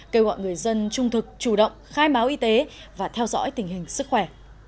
kêu gọi người dân trung thực chủ động khai báo y tế và theo dõi tình hình sức khỏe